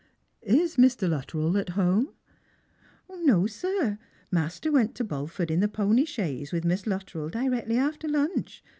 " Is Mr. Luttrell at houie .?"" No, sir. Master went to Bulford in the pony chaise with Miss Luttrell directly after lunch.